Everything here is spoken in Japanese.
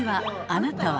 「あなたは」